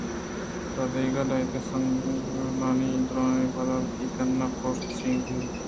پدا دگہ لہتیں سِنگُکانی دور دئیگ ءَ پد آ وتی تُنّ ءِ پرٛوشگ ءُ زند ءِ رکّہینگ ءَسوب مند بُوت